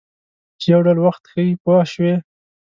چې یو ډول وخت ښیي پوه شوې!.